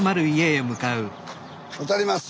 渡ります！